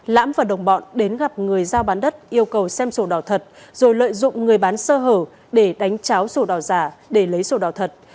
lãm và đồng bọn đến gặp người giao bán đất yêu cầu xem sổ đỏ thật rồi lợi dụng người bán sơ hở để đánh cháo sổ đỏ giả để lấy sổ đỏ thật